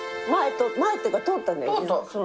前っていうか通った。